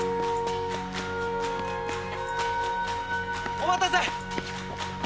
お待たせ！